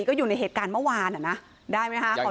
ก็อยู่ในเหตุการณ์เมื่อวานอ่ะนะได้ไหมฮะขออนุญาตนะ